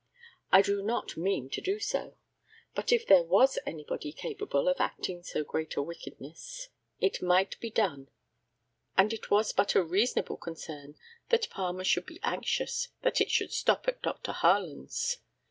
I do not mean to do so but if there was anybody capable of acting so great a wickedness, it might be done; and it was but a reasonable concern that Palmer should be anxious that it should stop at Dr. Harland's.